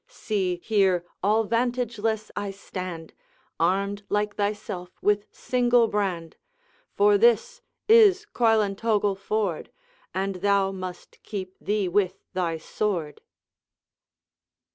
See, here all vantageless I stand, Armed like thyself with single brand; For this is Coilantogle ford, And thou must keep thee with thy sword.'